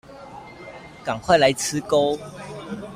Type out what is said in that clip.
趕快來吃鉤